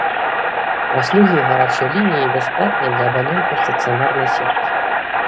Паслугі гарачай лініі бясплатныя для абанентаў стацыянарнай сеткі.